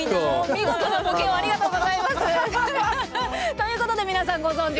見事なボケをありがとうございます。ということで皆さんご存じ